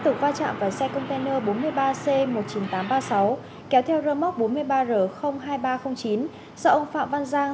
vực va chạm vào xe container bốn mươi ba c một mươi chín nghìn tám trăm ba mươi sáu kéo theo rơ móc bốn mươi ba r hai nghìn ba trăm linh chín do ông phạm văn giang